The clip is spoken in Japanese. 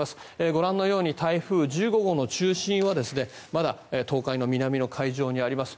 ご覧のように台風１５号の中心はまだ東海の南の海上にあります。